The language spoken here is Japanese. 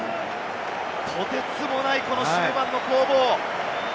とてつもない終盤の攻防。